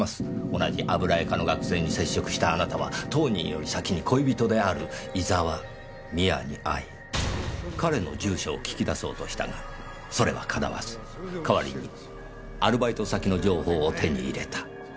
同じ油絵科の学生に接触したあなたは当人より先に恋人である井沢美亜に会い彼の住所を聞き出そうとしたがそれはかなわず代わりにアルバイト先の情報を手に入れた。